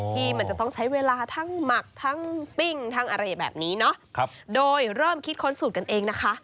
ที่มันจะต้องใช้เวลาทั้งหมักทั้งปิ้งทั้งอะไรแบบนี้เนาะโดยเริ่มคิดค้นสูตรกันเองนะคะ